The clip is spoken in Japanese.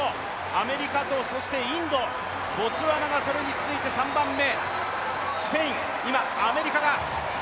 アメリカとそしてインド、ボツワナがそれに続いて３番目。